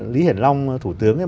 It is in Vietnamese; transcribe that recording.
lý hiển long thủ tướng ấy